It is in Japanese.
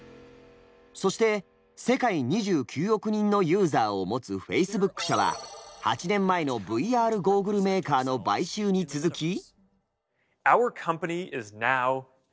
そして世界２９億人のユーザーを持つフェイスブック社は８年前のＶＲゴーグルメーカーの買収に続き。